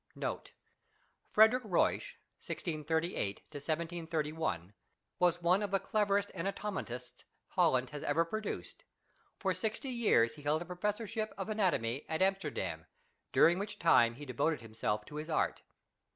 Note. — Frederic E,uysch (1638 1731) was one of the cleverest ana tomists Holland has ever produced. For sixty years he held a profes sorship of anatomy at Amsterdam, during which time he devoted him self to his art.